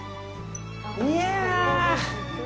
いや！